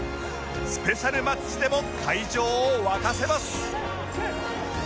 スペシャルマッチでも会場を沸かせます